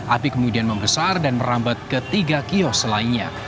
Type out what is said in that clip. api kemudian membesar dan merambat ke tiga kios lainnya